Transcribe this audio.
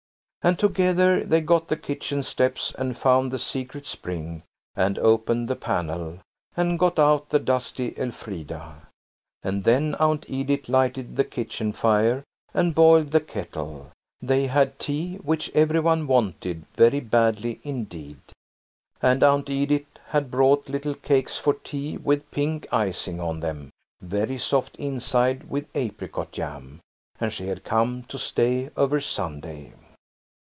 And together they got the kitchen steps and found the secret spring and opened the panel, and got out the dusty Elfrida. And then Aunt Edith lighted the kitchen fire and boiled the kettle; they had tea, which every one wanted very badly indeed. And Aunt Edith had brought little cakes for tea with pink icing on them, very soft inside with apricot jam. And she had come to stay over Sunday.